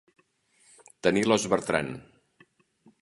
Tenir l'os bertran.